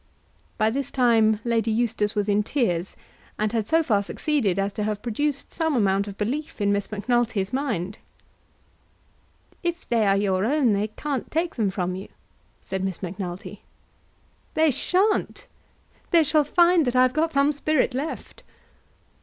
By this time Lady Eustace was in tears, and had so far succeeded as to have produced some amount of belief in Miss Macnulty's mind. "If they are your own, they can't take them from you," said Miss Macnulty. "They sha'n't. They shall find that I've got some spirit left."